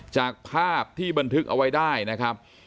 จากภาพที่บันทึกเอาไว้ได้นะครับ